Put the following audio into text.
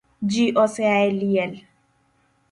Ji osea eliel